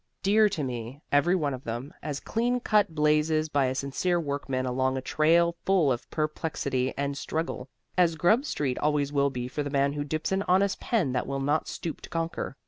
Dear to me, every one of them, as clean cut blazes by a sincere workman along a trail full of perplexity and struggle, as Grub Street always will be for the man who dips an honest pen that will not stoop to conquer.